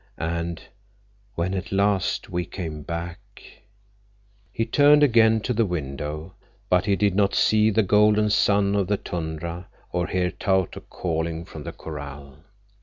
And when at last we came back—" He turned again to the window, but he did not see the golden sun of the tundra or hear Tautuk calling from the corral.